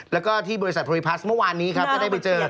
และก็ที่บริษัทโธรีพัศน์เมื่อวานนี้ก็ได้ไปเจอ